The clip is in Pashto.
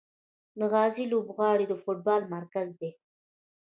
د غازي لوبغالی د فوټبال مرکز دی.